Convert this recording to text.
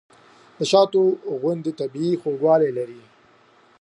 د شاتو خوند طبیعي خوږوالی لري.